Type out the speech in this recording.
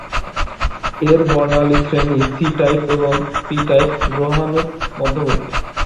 এর বর্ণালী শ্রেণী সি-টাইপ এবং পি-টাইপ গ্রহাণুর মধ্যবর্তী।